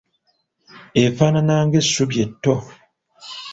Efaanaana ng’essubi etto.